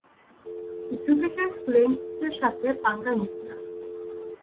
Jupiter's ক্লেইম-এর সাথে পাঙ্গা নিবি না!